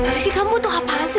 posisi kamu tuh apaan sih